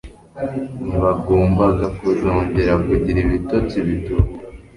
Ntibagombaga kuzongera kugira ibitotsi bituje.